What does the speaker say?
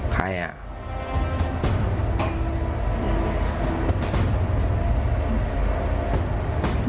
ใครอ่ะ